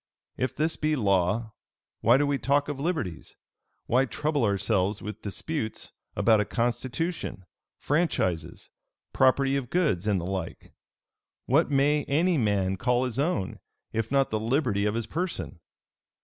If this be law, why do we talk of liberties? why trouble ourselves with disputes about a constitution, franchises, property of goods, and the like? What may any man call his own, if not the liberty of his person?